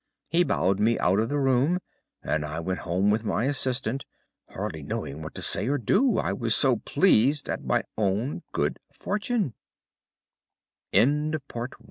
He bowed me out of the room and I went home with my assistant, hardly knowing what to say or do, I was so pleased at my own good fort